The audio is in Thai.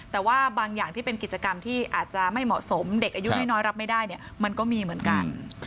แต่ว่าบางอย่างที่เป็นกิจกรรมที่อาจจะไม่เหมาะสมเด็กอายุน้อยรับไม่ได้เนี่ยมันก็มีเหมือนกัน